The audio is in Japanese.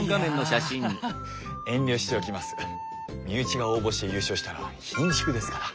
身内が応募して優勝したらひんしゅくですから。